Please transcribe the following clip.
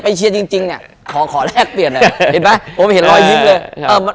ขอแรกเปลี่ยนเลยเห็นไหมผมเห็นรอยยิ้มเลย